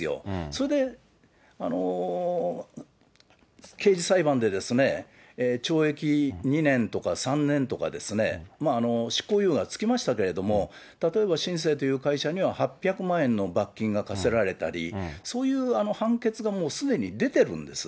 それで、刑事裁判で、懲役２年とか３年とか、執行猶予が付きましたけれども、例えば新世という会社には８００万円の罰金が科せられたり、そういう判決がもうすでに出てるんです。